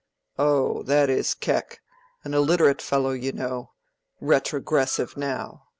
'" "Oh, that is Keck—an illiterate fellow, you know. Retrogressive, now!